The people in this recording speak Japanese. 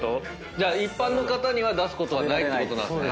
じゃあ一般の方には出すことはないってことですね。